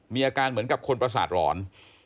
มีอาการเหมือนกับคนประสาทหลอน